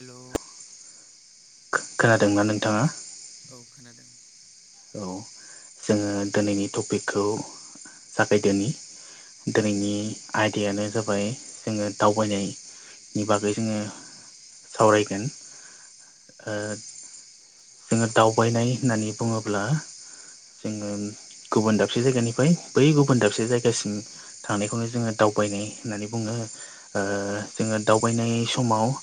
Hello खोनादोंना नोंथाङा औ खोनादों औ जोङो दिनैनि टपिकखौ जागायदोनि दिनैनि आयदायानो जाबाय जोङो दावबायनाय बिनि बागै जोंङो सावरायगोन ओ जोंङो दावबायनाय होननानै बुङोब्ला जोंङो गुबुन दाबसे जायगानिफ्राय बै गुबुन दाबसे जायगासिम थांनायखौनो जोंङो दावबायनाय होननानै बुङो जोंङो दावबायनाय समाव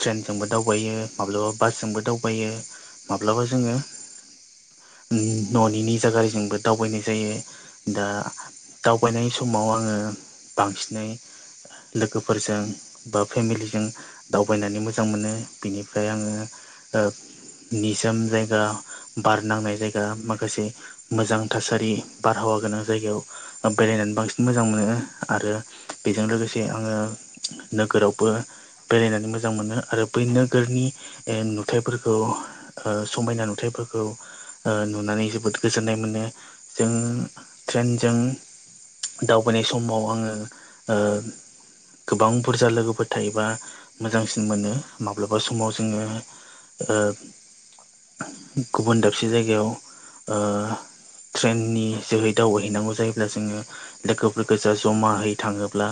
ट्रेनजोंबो दावबायो माब्लाबा बासजोंबो दावबायो माब्लाबा जोंङो न'नि निजा गारिजोंबो दावबायनाय जायो। दा दावबायनाय समाव आङो बांसिनै लोगोफोरजों बा फेमिलिजों दावबायनानै मोजां मोनो बिनिफ्राय आङो निजोम जायगा बार नांनाय जायगा माखासे मोजां थासारि बारहावा गोनां जायगायाव बेरायनानै बांसिन मोजां मोनो आरो बेजों लोगोसे आङो नोगोरावबो बेरायनानै मोजां मोनो आरो बै नोगोरनि नुथायफोरखौ समायना नुथायफोर खौ नुनानै जोबोद गोजोननाय मोनो जों ट्रेनजों दावबायनाय समाव आङो गोबां बुरजा लोगोफोर थायोबा मोजांसिन मोनो माब्लाबा समाव जोंङो ओ गुबुन दाबसे जायगायाव ओ ट्रेननि जोहै दावबायहैनांगौ जायोब्ला जोंङो लोगोफोर गोजा जमायै थाङोब्ला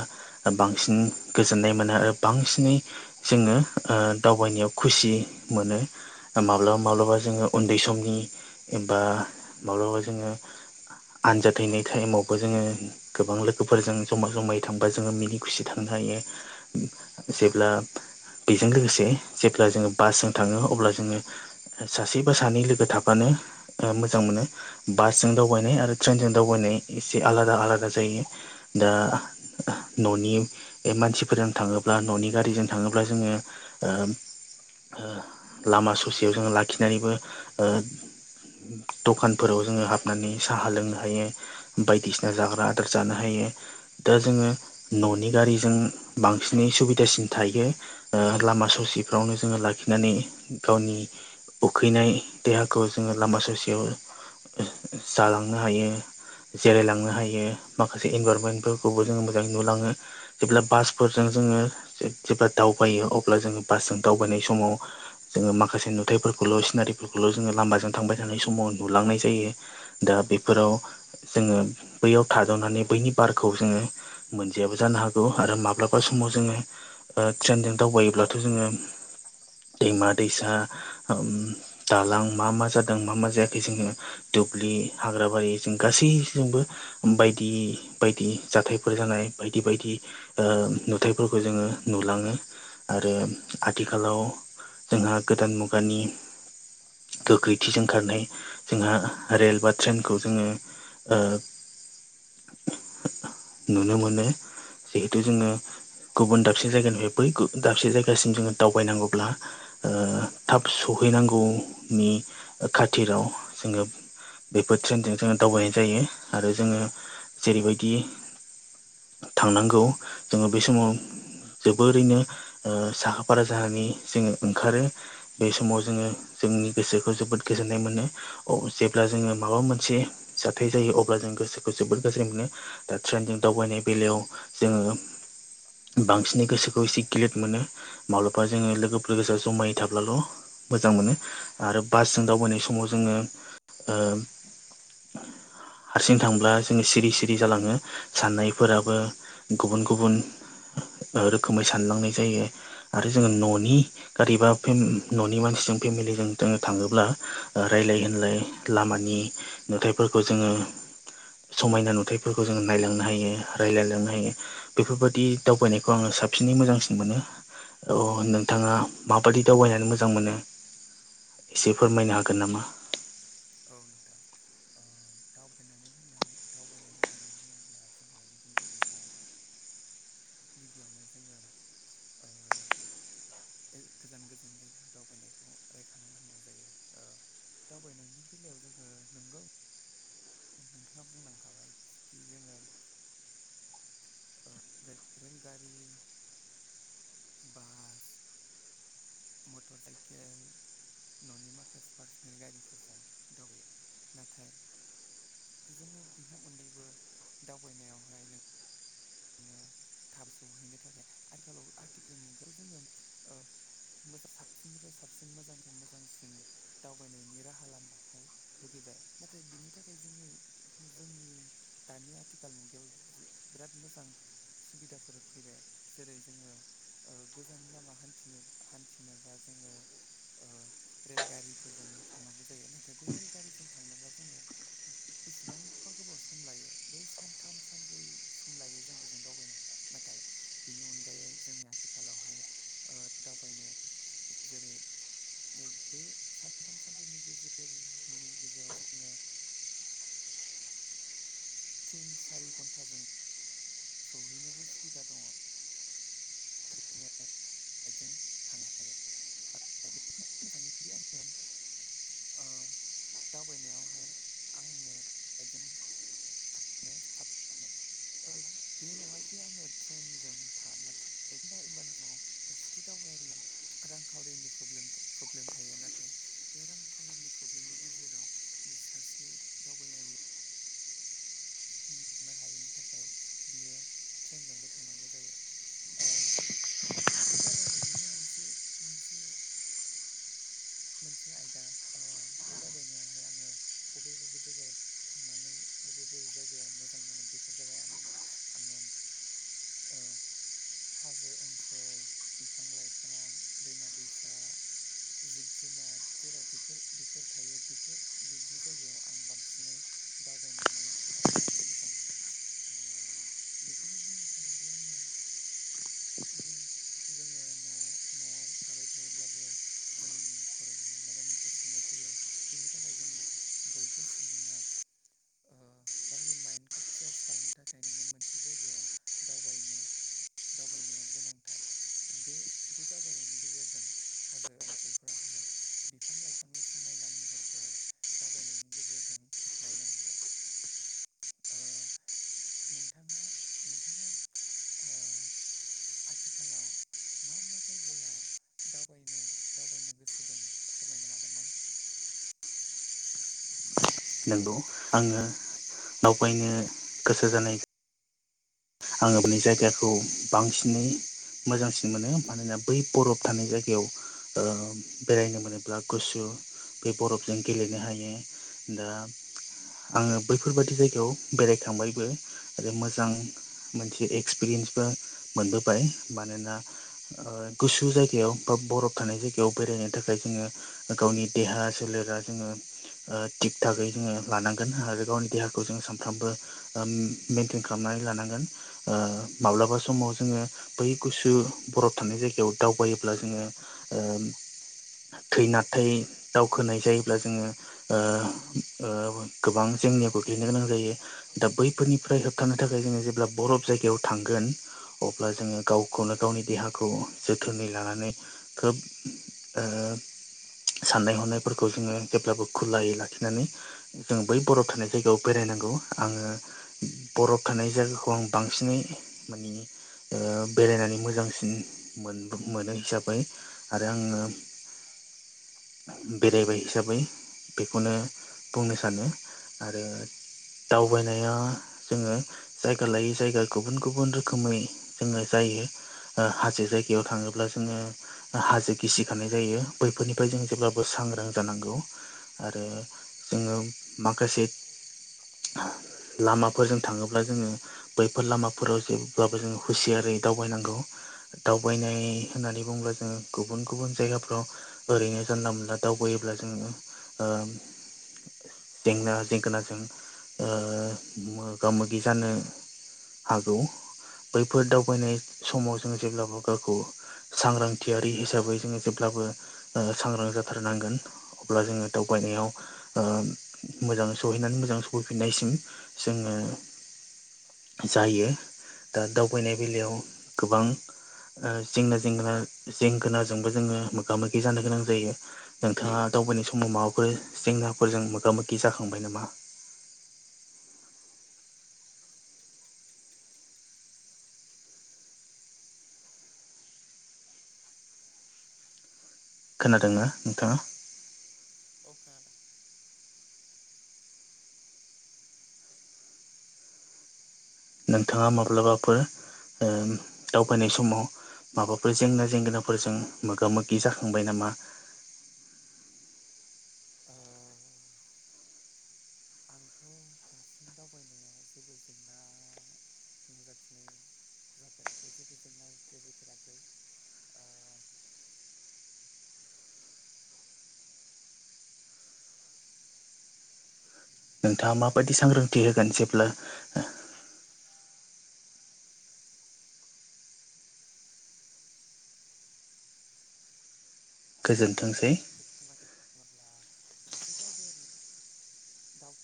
बांसिन गोजोननाय मोनो आरो बांसिनै जोंङो दावबायनायाव खुसि मोनो माब्लाबा माब्लाबा जोंङो उन्दै समनि एबा माब्लाबा जोंङो आनजाद हैनाय टाइमावबो जोंङो गोबां लोगोफोरजों जमा-जमायै थांबा जोंङो मिनि खुसि थांनो हायो। जेब्ला बेजों लोगोसे जेब्ला जोंङो बासजों थाङो अब्ला जोंङो सासे बा सानै लोगो थाबानो ओ मोजां मोनो बासजों दावबायनाय आरो ट्रेनजों दावबायनाय एसे आलादा आलादा जायो। दा न'नि मानसिफोरजों थाङोब्ला न'नि गारिजों थाङोब्ला जोंङो ओ लामा ससेयाव जोंङो लाखिनानैबो दखानफोराव जोंङो हाबनानै साहा लोंनो हायो। बायदिसिना जाग्रा आदार जानो हायो। दा जोंङो न'नि गारिजों बांसिनै सुबिदासिन थायो। लामा ससेफ्रावनो जोंङो लाखिनानै गावनि उखैनाय देहाखौ जोंङो लामा ससेयाव जालांनो हायो। जिरायलांनो हायो माखासे इनभाररमेन्टफोरखौबो जोङो मोजाङै नुलाङो। जेब्ला बासफोरजों जोंङो जेब्ला दावबायो अब्ला जोंङो बासजों दावबायनाय समाव जोंङो माखासे नुथायफोर ल' सिनारिफोरखौल' जोङो लामाजों थांबाय थानाय समाव नुलांनाय जायो दा बेफोराव जोंङो बैयाव थाद'नानै बैनि बारखौ जोंङो मोनजायाबो जानो हागौ आरो माब्लाबा समाव जोंङो ट्रेनजों दावबायोब्लाथ' जोंङो दैमा दैसा दालां मा मा जादों मा मा जायाखै जोंङो दुब्लि हाग्राबारि जों गासैजोंबो बायदि बायदि जाथायफोर जानाय बायदि बायदि ओ नुथायफोरखौ जोङो नुलाङो आरो आथिखालाव जोंहा गोदान मुगानि गोख्रैथिजों खारनाय जोंहा रेल बा ट्रेनखौ जोंङो ओ नुनो मोनो। जिहेतु जोङो गुबुन दाबसे जायगानिफ्राय बै दाबसे जायगासिम जोङो दावबायनांगौब्ला ओ थाब सहैनांगौनि खाथिराव जोङोब बेफोर ट्रेनजों जोङो दावबायनाय जायो आरो जोङो जेरैबायदि थांनांगौ जोङो बे समाव जोबोरैनो ओ साखा फारा जानानै जोङो ओंखारो। बे समाव जोङो जोंनि गोसोखौ जोबोद गोजोननाय मोनो। अ जेब्ला जोङो माबा मोनसे जाथाय जायो अब्ला जों गोसोखौ जोबोद गाज्रि मोनो। दा ट्रेनजों दावबायनाय बेलायाव जोङो बांसिनै गोसोखौ एसे गिलिद मोनो माब्लाबा जोङो लोगोफोरजों जमायै थाब्लाल' मोजां मोनो आरो बासजों दावबायनाय समाव जोङो ओ हारसिं थांब्ला जोङो सिरि सिरि जालाङो। साननायफोराबो गुबुन गुबुन ओ रोखोमै सानलांनाय जायो। आरो जोङो न'नि गारिबा फेन न'नि मानसिजों फेमिलिजों जोंङो थाङोब्ला ओ रायजलाय होनलाय लामानि नुथायाइफोरखौ जोङो समायना नुथायफोरखौ जोङो नायलांनो हायो रायजलायलांनो हायो। बेफोरबादि दावबायनायखौ आङो साबसिनै मोजांसिन मोनो। अ नोंथाङा माबाददि दावबायनानै मोज जां मोनो एसे फोरमायनो हागोन नामा? औ नोंथां। ओ दावबायनानै होननानै दावबायनाय होननानै बुङोब्ला जोङो गिबियैनो गिबियावनो जोङो ओ गोजान गोजान जायगायाव दावबायनायखौ रायखांनांगौ जायो ओ दावबायनायनि बेलायाव जोङो नंगौ नोंथाङा बुंलांखाबाय सिखि जोङो ओ रे रेलगारि बास मटर साइकेल। न'नि माखासे पार्सनेल गारिफोरजों दावयो नाथाय जोङो बिनि अनगैबो दावबायनायावहाय नों ङो थाब सौहैनो थाखाय आथिखालाव आथिखाल मुगायाव जोङो ओब मोज साबसिननिफ्राय साबसिन मोजांनिफ्राय मोजांसिन दावबायनायनि राहा लामाखौ लुगैबाय नाथाय बिनि थाखाय जोंनि जोंनि दानि आथिखाल मुगायाव जो बिराद मोजां सुबिदाफोर फैबाय जेरै जोङो ओ गोजान लामाान्थिनो हान्थिनोबा जोङो ओ रेलगारिफोरजों थांनांगौ जायो नाथाय बे रेलगारिजों थांनोब्ला जोङो बेसेबांबा गोबाव सम लायो बे सानथाम सानब्रै सम लायो जों बेजों दावबायनोब्ला नाथाय बिनि अनगायै जोंनि आथिखालावहाय ओ दावबायनो जेरै बे सानथाम सानब्रैनि गेजेरनि गेजेराव जोङो थिन सारि घन्टाजों सौहैनोबो सुबिदा दङ। बाइक जों थानो हायो। [unintelligible] दावबायनायावहाय आङोाइकजों साबसि बे नङााखि आङो ट्रेनजों थानो एबाबाथारिाम रांखावरिनि फ्रब्लेम प्रब्लेम थायो नाथाय बे रांखावरिनि प्रब्लेमनि गेजेराव सासे दावबायारि हनो हायैनि थाखाय बियो ट्रेनजोंबो थांनांगौ जायो। बे दावबायनायनिनो मोनसे मोनसे मोनसे आयदा बे दावबायनायावहाय आङो बबे बबे जायगायाव थांनानै बबे बबे जायगायाव जायायाव मोजां मोनो बेफोर जाबाय आं आङो हाजो ओनसोल बिफां लाइफां दैमा दैसा जिब जुनार जेराव बेफोर बेफोर थायो बेफोर बिदि जायगायाव आं बांसिनै दावबायनानै नायनो मोजां मोनो बेखौनो बुंनो सानोदि आङो जों जोङो न' न'आव थाबाय थायोब्लाबो जोंनि खर'आव माबा मोनसे साननाय फैयो बिनि थाखाय जों बयबो सुबुङा गावनि माइन्डखौ फ्रेस खालामनो थाखाय नोङो मोनसे जायगायाव दावबायनो दावबायनाया गोनांथार बे बे दावबायनायनि गेजेरजों हाजो ओनसोलफोरावहाय बिफां लाइफांनि समायना महरखौ दावबायनायनि गेजेरजों नायनो हायो नोंथाङा नोंथाङा आथिखालाव मा मा जायगायाव दावबायनो दावबायनो गोसो दं फोरमायनो हागोन ना नंगौ आङो दावबायनो गोसो जानाय आङो बे जायगाखौ बांसिनै मोजांसिन मोनो मानोना बै बरफ थानाय जायगायाव बेरायनो मोनोब्ला गुसु बे बरफजों गेलेनो हायो दा आङो बैफोरबायादि जायगायाव बेरायखांबायबो आरो मोजां मोनसे एक्सपिरियेन्सबो मोनबोबाय मानोना गुसु जायगायाव बा बरफ थानाय जायगायाव बेरायनो थाखाय जोङो गावनि देहा सोलेरा जोङो थिग थाखै जोङो लानांगोन आरो गावनि देहाखौ जों सानफ्रामबो मेइेनटेन खालामनानै लानांगोन माब्लाबा समाव जोङो बै गुसु बरफ थानाय जायगायाव दावबायोब्ला जोङो थै नथाय दावखोनाय जायोब्ला जोङो गोबां जेंनिया गोग्लैनो गोनां जायो दा बैफोरनिफ्राय होबथानो थाखाय जोङो जेब्ला बरफ जायगायाव थांगोन अब्ला जोङो गावखौनो गावनि देहाखौ जोथोनै लानानै खोब साननाय हनायफोरखौ जोङो जेब्लाबो खुरलायै लाखिनानै जों बै बरफ थानाय जायगायाव बेरायनांगौ आङो बरफ थानाय जायगाखौ आं बांसिनै माने बेरायनानै मोजांसिन मोनो हिसाबै आरो आङो बेरायबाय हिसाबै बेखौनो बुंनो सानो आरो दावबायनाया जोङो जायगा लायोै जायगा गुबुन गुबुन रोखोमै जोङो जायो हाजो जायगायाव थाङोब्ला जोङो हाजो गिसिखानाय जायो बैफोरनिफ्राय जों जेब्लाबो सांग्रां जानांगौ आरो जोङो माखासे लामाफोरजों थाङोब्ला जोङो बैफोर लामाफोराव जेब्लाबो जों हुसियारै दावबायनांगौ दावबायनाय होननानै बुंब्ला जों गुबुन गुबुन जायगाफ्राव ओरैनो जानला मोनला दावबायोब्ला जोङो ओ जेंना जेंगोनाजों ओ मोगा मोगि जानो हागौ बैफोर दावबायनाय समाव जों जेब्लाबो गावखौ। सांग्रांथियारि हिसाबै जोङो जेब्लाबो ओ सांग्रां जाथारनांगोन अब्ला जोङो दावबायनायाव ओ मोजाङै सहैनानै मोजां सहैफिननायसिम जोङो जायो दा दावबायनाय बेलायाव गोबां ओ जेंना जेंगोना जेंगोनाजोंबो जोङो मोगा मोगि जानो गोनां जायो नोंथाङा दावबायनाय समाव माबाफोर जेंनाफोरजों मोगा मोगि जाखांबाय नामा खोनादोंना नोंथाङा ओ खोनादों नोंथाङा माब्लाबाफोर ओ दावबायनाय समाव माबाफोर जेंना जेंगोनाफोरजों मोगा मोगि जाखांबाय नामा ओ आंथ' दासिम दावबायनायाव जेबो जेंना नुजाथिनाय जाफेराखै जेबो जेंना गोलैफेराखै ओ नोंथाङा माबायदि बेनोसै सांग्रांथि होगोन जेब्ला गोजोनथोंसै सांग्राथि बोङोब्ला सासे दावबायारिया दाव